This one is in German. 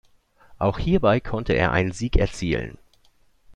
Auch hierbei konnte er einen Sieg erzielen.